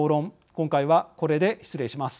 今回はこれで失礼します。